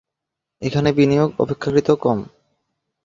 এখানে বিনিয়োগ অপেক্ষাকৃত কম।